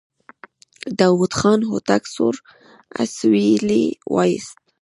داوود خان هوتک سوړ اسويلی وايست.